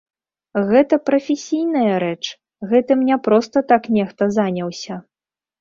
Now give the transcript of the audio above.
Гэта прафесійная рэч, гэтым не проста так нехта заняўся.